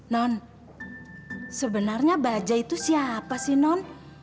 non sebenarnya baja itu siapa sih non